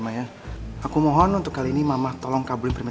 saya gak mau liat muka kalian lagi ada disini